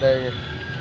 đây đây đây